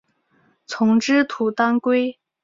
丛枝土当归